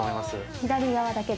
左側だけで。